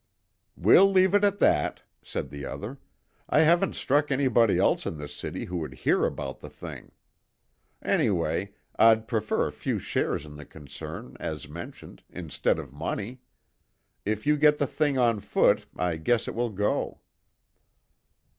"We'll leave it at that," said the other. "I haven't struck anybody else in this city who would hear about the thing. Anyway, I'd prefer a few shares in the concern, as mentioned, instead of money. If you get the thing on foot, I guess it will go."